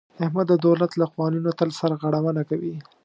احمد د دولت له قوانینو تل سرغړونه کوي.